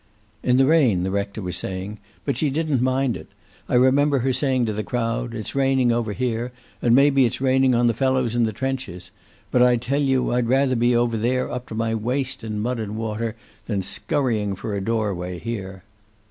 " in the rain," the rector was saying. "But she didn't mind it. I remember her saying to the crowd, 'It's raining over here, and maybe it's raining on the fellows in the trenches. But I tell you, I'd rather be over there, up to my waist in mud and water, than scurrying for a doorway here.'